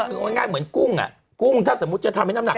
คือเอาง่ายเหมือนกุ้งอ่ะกุ้งถ้าสมมุติจะทำให้น้ำหนัก